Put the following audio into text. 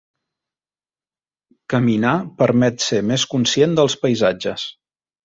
Caminar permet ser més conscient dels paisatges.